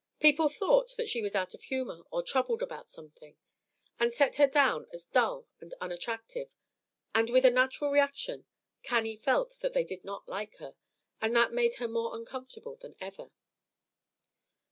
People thought that she was out of humor or troubled about something, and set her down as dull and unattractive; and with a natural reaction, Cannie felt that they did not like her, and that made her more uncomfortable than ever.